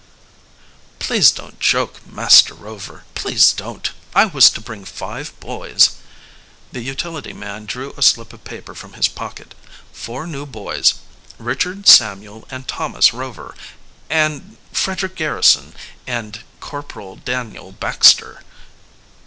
"Please don't joke, Master Rover, please don't. I was to bring five boys." The utility man drew a slip of paper from his pocket. "Four new boys Richard, Samuel, and Thomas Rover and Frederick Garrison and Corporal Daniel Baxter."